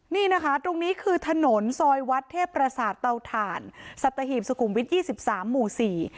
นี่นะคะตรงนี้คือถนนซอยวัดเทพประสาทเตาถ่านสัตหีบสุขุมวิทยี่สิบสามหมู่สี่